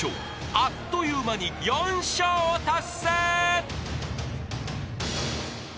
あっという間に４笑を達成］